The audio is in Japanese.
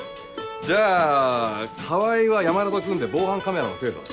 じゃあ川合は山田と組んで防犯カメラの精査をしてくれ。